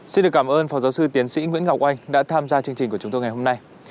xin được cảm ơn phó giáo sư tiến sĩ nguyễn ngọc oanh đã tham gia chương trình của chúng tôi ngày hôm nay